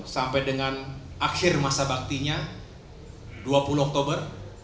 sampai dengan akhir masa baktinya dua puluh oktober